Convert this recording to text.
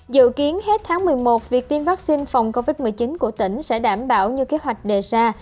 dự kiến hết tháng một mươi một việc tiêm vaccine phòng covid một mươi chín của tỉnh sẽ đảm bảo như kế hoạch đề ra